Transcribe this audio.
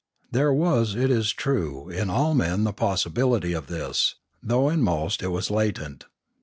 There was it is true in all men the possibility of this, though in most it was latent.